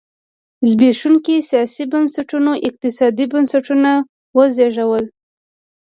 زبېښونکي سیاسي بنسټونو اقتصادي بنسټونه وزېږول.